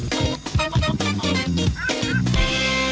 สวัสดีค่ะ